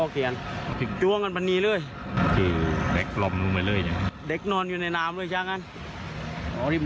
ครับริมน้ำนี่ริมน้ำอันนี้